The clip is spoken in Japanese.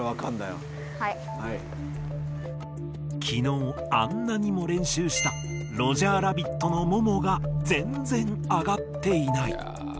きのうあんなにも練習したロジャーラビットのももがぜんぜんあがっていない。